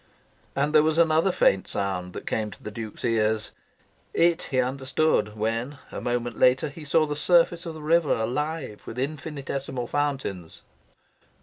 And there was another faint sound that came to the Duke's ears. It he understood when, a moment later, he saw the surface of the river alive with infinitesimal fountains.